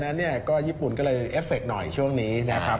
ดังนั้นญี่ปุ่นก็เลยเอฟเฟคต์หน่อยช่วงนี้นะครับ